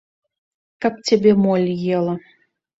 Каб цябе моль ела.